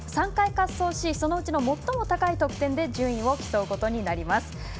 ３回滑走し、そのうち最も高い得点で順位を競います。